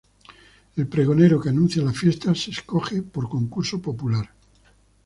El pregonero que anuncia la fiesta se escoge por concurso popular.